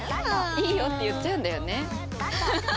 いいよって言っちゃうんだよね。